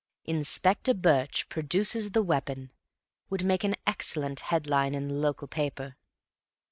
"Inspector Birch produces the weapon" would make an excellent headline in the local paper.